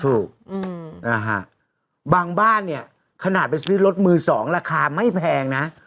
ถูกนะฮะบางบ้านเนี่ยขนาดไปซื้อรถมือสองราคาไม่แพงนะ